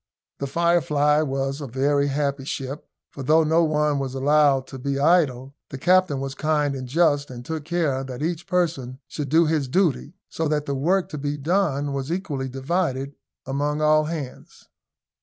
The Firefly was a very happy ship; for though no one was allowed to be idle, the captain was kind and just, and took care that each person should do his duty; so that the work to be done was equally divided among all hands.